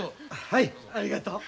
はいありがとう。